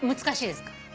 難しいですか？